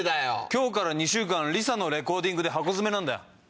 今日から２週間ＬｉＳＡのレコーディングで箱詰めなんだよ。